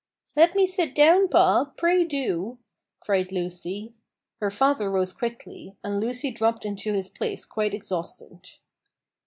"Let me sit down, pa, pray do!" cried Lucy. Her father rose quickly, and Lucy dropped into his place quite exhausted.